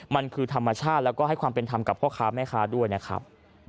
มันคือธรรมชาติแล้วก็ให้ความเป็นธรรมกับพ่อค้าแม่ค้าด้วยนะครับ